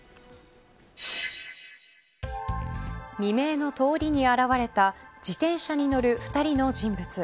未明の通りに現れた自転車に乗る２人の人物。